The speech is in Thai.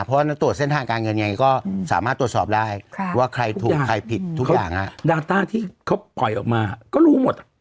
เพราะฉะนั้นตรวจเส้นทางการเงินยังไงก็สามารถตรวจสอบได้ว่าใครถูกใครผิดทุกอย่างดาต้าที่เขาปล่อยออกมาก็รู้หมด